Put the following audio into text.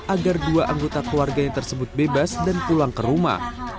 agar dua anggota keluarganya tersebut bebas dan pulang ke rumah